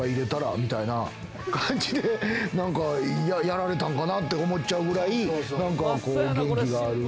みたいな感じで、やられたんかなって思っちゃうくらい元気がある。